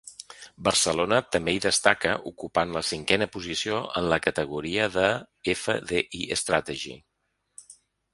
Barcelona també hi destaca ocupant la cinquena posició en la categoria de “fDi Strategy”.